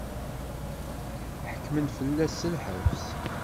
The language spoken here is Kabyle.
Ḥekmen fell-as s lḥebs.